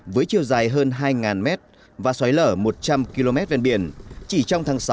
với chiều dài hơn hai mét và xoáy lở một trăm linh km ven biển chỉ trong tháng sáu